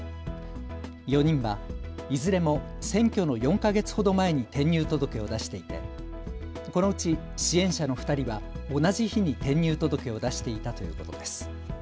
４人はいずれも選挙の４か月ほど前に転入届を出していてこのうち支援者の２人は同じ日に転入届を出していたということです。